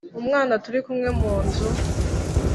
Umwana turi kumwe mu nzu